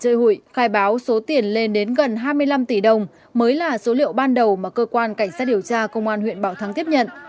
chơi hụi khai báo số tiền lên đến gần hai mươi năm tỷ đồng mới là số liệu ban đầu mà cơ quan cảnh sát điều tra công an huyện bảo thắng tiếp nhận